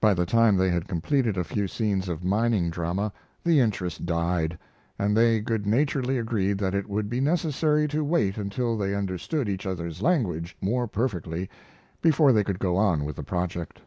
By the time they had completed a few scenes of mining drama the interest died, and they good naturedly agreed that it would be necessary to wait until they understood each other's language more perfectly before they could go on with the project.